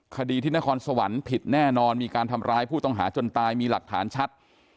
คดีที่นครสวรรค์ผิดแน่นอนมีการทำร้ายผู้ต้องหาจนตายมีหลักฐานชัด